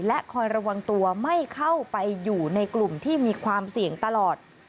และคอยระวังตัวไม่เข้าไปอยู่ในกลุ่มที่มีความเสี่ยงตลอด